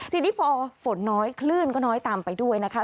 ทีนี้พอฝนน้อยคลื่นก็น้อยตามไปด้วยนะคะ